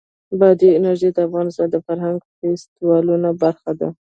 بادي انرژي د افغانستان د فرهنګي فستیوالونو برخه ده.